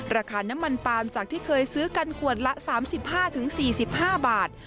ราคาน้ำมันปาล์มจากที่เคยซื้อกันขวดละ๓๕๔๕บาท